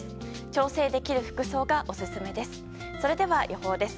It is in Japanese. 調整できる服装がオススメです。